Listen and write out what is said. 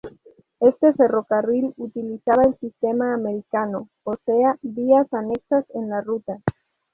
Este ferrocarril utilizaba el sistema americano, o sea, vías anexas en la ruta.